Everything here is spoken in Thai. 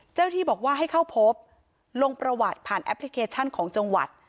เจ้าที่บอกว่าให้เข้าพบลงประวัติผ่านแอปพลิเคชันของจังหวัด